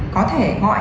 có thể gọi